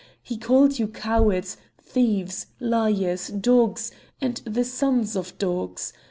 He called you cowards, thieves, liars, dogs, and the sons of dogs!